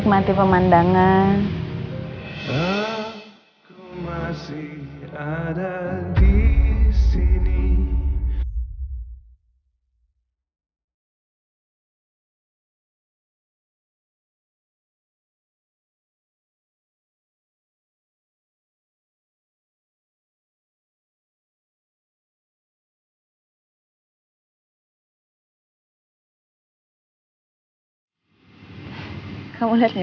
kalau itu gak ada apa cancepin akarnya